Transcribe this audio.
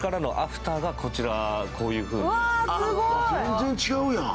全然違うやん。